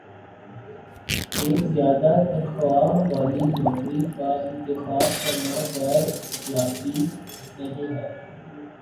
ایک زیادہ تنخواہ والی نوکری کا انتخاب کرنا غیراخلاقی نہیں ہے